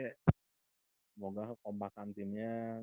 semoga kompakan timnya gak yang terlalu banyak ya